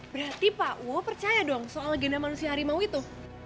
berarti pak wowo percaya dong soal legenda manusia harimau itu